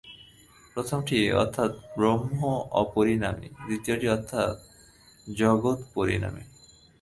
প্রথমটি অর্থাৎ ব্রহ্ম অপরিণামী, দ্বিতীয়টি অর্থাৎ জগৎ পরিণামী।